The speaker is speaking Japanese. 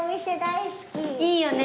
いいよね。